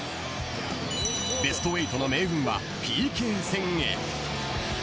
ベスト８の命運はＰＫ戦へ。